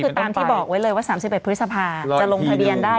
คือตามที่บอกไว้เลยว่า๓๑พฤษภาจะลงทะเบียนได้